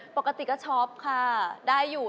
ปกติก็ช็อปค่ะได้อยู่